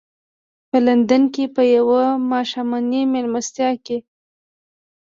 په لندن کې په یوه ماښامنۍ مېلمستیا کې.